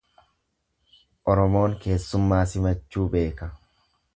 Oromoon keessummaa simachuu beeka.